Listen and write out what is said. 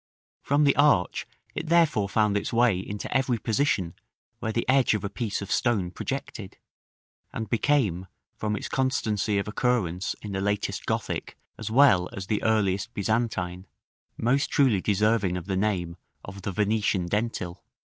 From the arch it therefore found its way into every position where the edge of a piece of stone projected, and became, from its constancy of occurrence in the latest Gothic as well as the earliest Byzantine, most truly deserving of the name of the "Venetian Dentil."